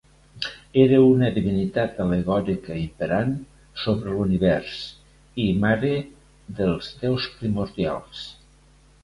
Era una divinitat al·legòrica imperant sobre l'univers i mare dels déus primordials.